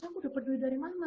aku dapat duit dari mana